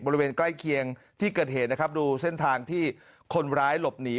บริเวณใกล้เคียงที่เกิดเหตุนะครับดูเส้นทางที่คนร้ายหลบหนี